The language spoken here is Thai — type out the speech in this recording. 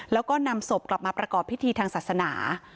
แล้วก็นำศพกลับมาประกอบพิธีทางศาสนา